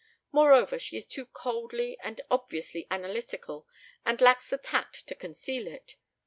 Moreover, she is too coldly and obviously analytical and lacks the tact to conceal it.